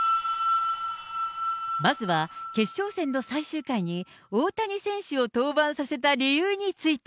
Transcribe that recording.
まずは、決勝戦の最終回に、大谷選手を登板させた理由について。